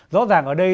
rõ ràng ở đây